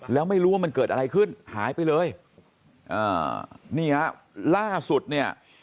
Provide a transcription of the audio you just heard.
แล้วไม่รู้ว่ามันเกิดอะไรขึ้นหายไปเลยอ่านี่ฮะล่าสุดเนี่ย